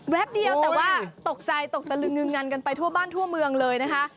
เดียวแต่ว่าตกใจตกตะลึงงึงงันกันไปทั่วบ้านทั่วเมืองเลยนะคะ